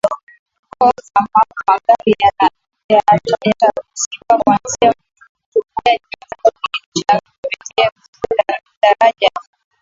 Kong na Macau Magari yataruhusiwa kuanza kulitumia Jumatano Nini cha kipekee kuhusu daraja hili